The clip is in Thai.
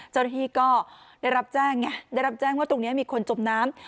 เจ้าหน้าที่ก็ได้รับแจ้งไงได้รับแจ้งว่าตรงนี้มีคนจมน้ำ